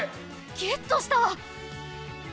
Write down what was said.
ゲットした！